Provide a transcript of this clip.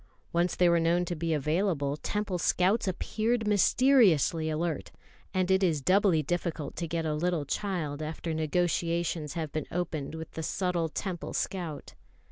Once they were known to be available, Temple scouts appeared mysteriously alert; and it is doubly difficult to get a little child after negotiations have been opened with the subtle Temple scout.